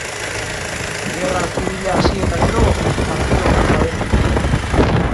Gerra zibila hasi eta gero, Bartzelonan babestu zen.